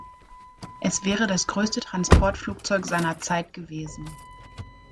Es wäre das größte Transportflugzeug seiner Zeit gewesen.